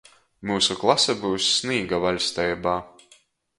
Myusu klase byus Snīga vaļsteibā.